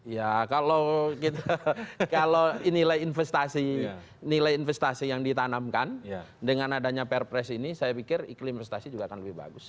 ya kalau nilai investasi nilai investasi yang ditanamkan dengan adanya perpres ini saya pikir iklim investasi juga akan lebih bagus